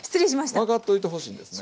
分かっといてほしいんですね。